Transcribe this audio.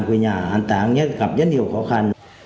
quê nhà an táng gặp rất nhiều khó khăn